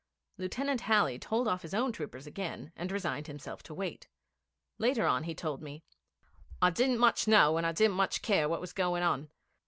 Lieutenant Halley told off his own troopers again and resigned himself to wait. Later on he told me: 'I didn't much know, and I didn't much care what was going on.